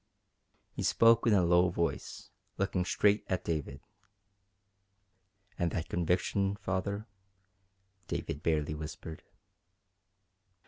He spoke in a low voice, looking straight at David. "And that conviction, Father?" David barely whispered.